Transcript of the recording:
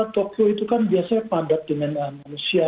tokyo itu kan biasanya padat dengan manusia